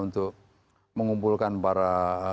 untuk mengumpulkan para